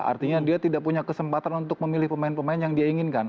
artinya dia tidak punya kesempatan untuk memilih pemain pemain yang dia inginkan